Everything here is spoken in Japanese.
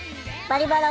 「バリバラ」